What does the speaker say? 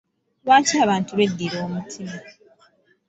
Lwaki abantu b'eddira omutima.